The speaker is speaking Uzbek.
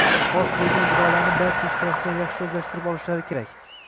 xos bo‘lgan ijrolarni barcha ishtirokchilar yaxshi o‘zlashtirib olishlari kerak.